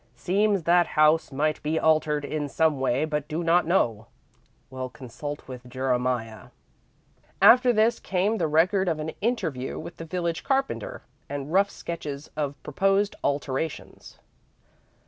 "Seems that house might be altered in some way, but do not know. Will consult with Jeremiah." After this came the record of an interview with the village carpenter, and rough sketches of proposed alterations.